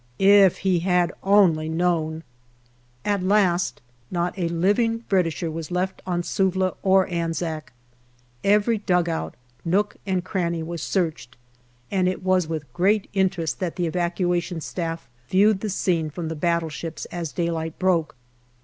If he had only known ! At last not a living Britisher was left on Suvla or Anzac ; every dugout, nook, and cranny was searched, and it was with great interest that the Evacuation Staff viewed the scene from the battleships as daylight broke.